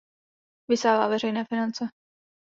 Vysává veřejné finance.